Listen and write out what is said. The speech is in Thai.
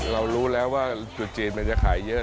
เรารู้แล้วว่าจุดจีนมันจะขายเยอะ